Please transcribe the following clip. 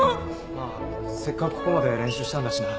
まあせっかくここまで練習したんだしな。